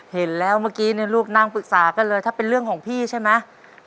เห็นแล้วเมื่อกี้เนี่ยลูกนั่งปรึกษากันเลยถ้าเป็นเรื่องของพี่ใช่ไหม